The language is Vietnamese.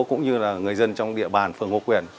cũng như là người dân trong địa bàn phường ngô quyền